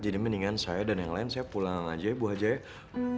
jadi mendingan saya dan yang lain saya pulang aja ya bu hajaya